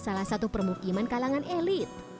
salah satu permukiman kalangan elit